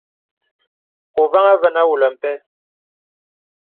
Ôvaŋha vənə àwōlə̀ mpə̀.